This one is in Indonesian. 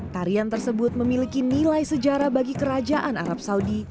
tarian tersebut memiliki nilai sejarah bagi kerajaan arab saudi